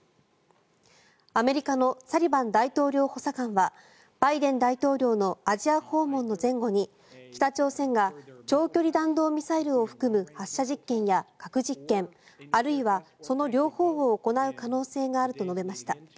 アメリカのサリバン大統領補佐官はバイデン大統領のアジア訪問の前後に北朝鮮が長距離弾道ミサイルを含む発射実験や核実験あるいはその両方を行う可能性があると述べました。